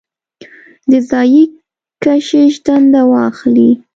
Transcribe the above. د ځايي کشیش دنده واخلي.